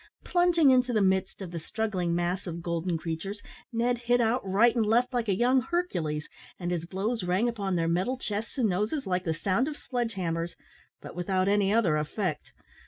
Plunging into the midst of the struggling mass of golden creatures, Ned hit out right and left like a young Hercules, and his blows rang upon their metal chests and noses like the sound of sledge hammers, but without any other effect.